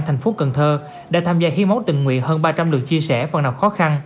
thành phố cần thơ đã tham gia hiến máu tình nguyện hơn ba trăm linh lượt chia sẻ phần nào khó khăn